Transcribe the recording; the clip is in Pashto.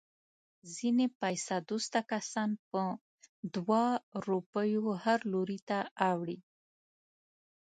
ځنې پیسه دوسته کسان په دوه روپیو هر لوري ته اوړي.